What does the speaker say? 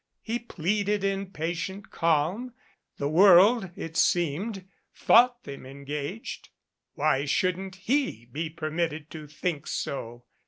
He pleaded in patient calm. The world, it seemed, thought them engaged. Why shouldn't heJae per mitted to think so.